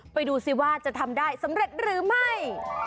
ไปดูสิว่าจะทำได้สำเร็จหรือไม่